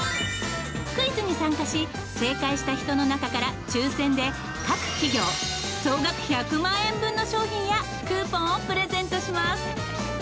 クイズに参加し正解した人の中から抽選で各企業総額１００万円分の商品やクーポンをプレゼントします。